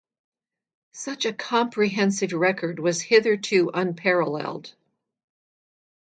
Such a comprehensive record was hitherto unparalleled.